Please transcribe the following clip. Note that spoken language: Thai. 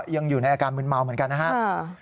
ยังอยู่ในอาการมืนเมาเหมือนกันนะครับ